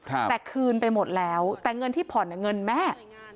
แต่คืนไปหมดแล้วแต่เงินที่ผ่อนเงินแม่